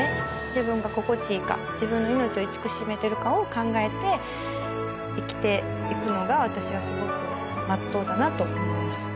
自分が心地いいか自分の命を慈しめてるかを考えて生きていくのが私はすごくまっとうだなと思います。